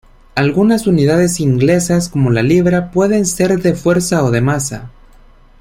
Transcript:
Algunas unidades inglesas, como la libra, pueden ser de fuerza o de masa.